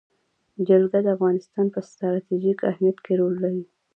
جلګه د افغانستان په ستراتیژیک اهمیت کې رول لري.